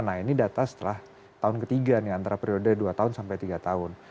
nah ini data setelah tahun ketiga nih antara periode dua tahun sampai tiga tahun